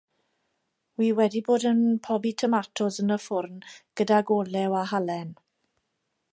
Wi wedi bod yn pobi tomatos yn y ffwrn gydag olew a halen.